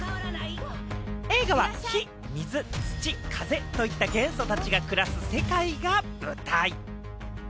映画は火・水・土・風といった元素たちが暮らす世界が舞台。